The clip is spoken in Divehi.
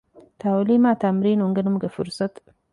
ތަޢުލީމާއި ތަމްރީނާއި އުނގެނުމުގެ ފުރުޞަތު